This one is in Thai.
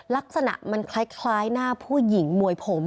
ลักษณะมันคล้ายหน้าผู้หญิงมวยผม